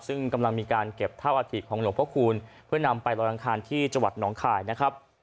ซึ่งกำลังมีการเก็บเท่าอาถิของหลวงพระคูณเพื่อนำไปลอยอังคารที่จังหวัดหนองคายนะครับ